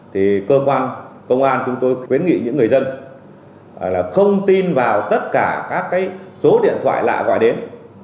tôi khuyến nghị những người dân là không tin vào tất cả các số điện thoại lạ gọi đến